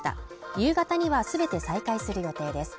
夕方にはすべて再開する予定です